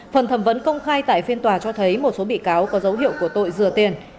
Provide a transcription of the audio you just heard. phần thẩm vấn công khai tại phiên tòa cho thấy một số bị cáo có dấu hiệu của tội dừa tiền